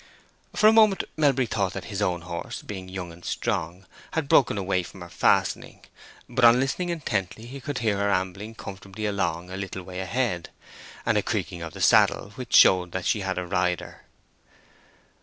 For a moment Melbury thought that his own horse, being young and strong, had broken away from her fastening; but on listening intently he could hear her ambling comfortably along a little way ahead, and a creaking of the saddle which showed that she had a rider.